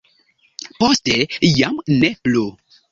Poste jam ne plu.